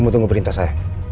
kamu tunggu perintah saya